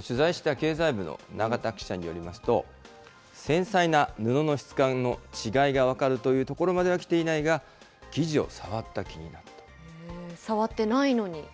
取材した経済部の永田記者によりますと、繊細な布の質感の違いが分かるというところまでは来ていないが、触ってないのに。